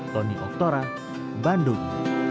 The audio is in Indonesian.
tony oktora bandung